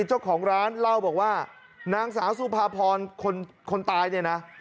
เจ้าของร้านเล่าบอกว่านางสาวสุภาพรคนตายเนี่ยนะ